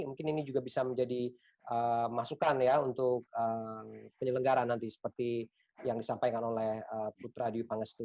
mungkin ini juga bisa menjadi masukan ya untuk penyelenggara nanti seperti yang disampaikan oleh putra dwi pangestu